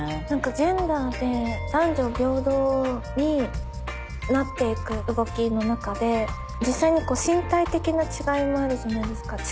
なんかジェンダーで男女平等になっていく動きの中で実際に身体的な違いもあるじゃないですか。